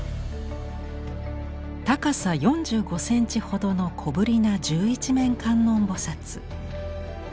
高さ４５センチほどの小ぶりな十一面観音菩。